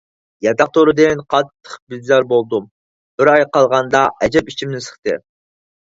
ياتاق تورىدىن قاتتىق بىزار بولدۇم. بىر ئاي قالغاندا ئەجەب ئىچىمنى سىقتى.